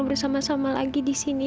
bersama sama lagi di sini